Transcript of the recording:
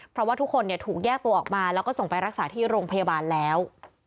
เพราะว่าทุกคนถูกแยกตัวออกมาแล้วก็ส่งไปรักษาที่โรงพยาบาลแล้ว